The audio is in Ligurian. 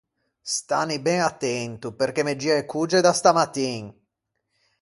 Stanni ben attento, perché me gia e cogge da stamattin!